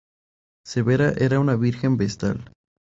Severa era una virgen vestal.